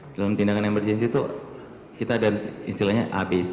dalam tindakan emergensi itu kita ada istilahnya abc